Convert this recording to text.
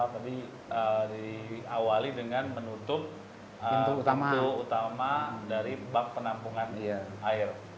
tadi diawali dengan menutup pintu utama dari bak penampungan air